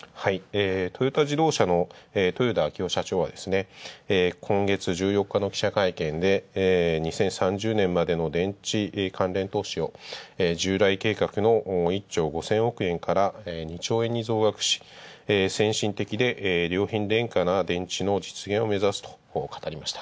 トヨタ自動車の豊田社長は今月１４日の記者会見で２０３０年までの電池関連投資を従来計画の１兆５０００億円から２兆円に増額し、先進的で良品電化な実現を目指すと語りました。